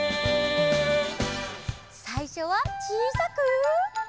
さいしょはちいさく。